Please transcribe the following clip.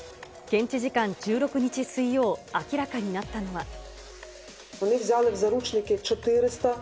現地時間１６日水曜、明らかになったのは。